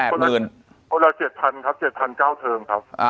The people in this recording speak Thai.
คนละ๗๐๐๐ครับ๗๐๐๐๙เทิมครับ